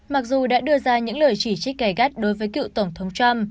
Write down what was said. mặc dù đã đưa ra những lời chỉ trích gây gắt đối với cựu tổng thống trump